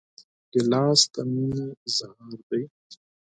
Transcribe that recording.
ګیلاس د مینې اظهار دی.